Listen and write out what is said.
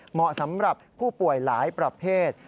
เหมาะสำหรับผู้ป่วยหลายประเภท